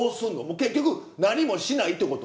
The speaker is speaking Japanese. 結局何もしないってこと？